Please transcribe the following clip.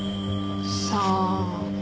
さあ。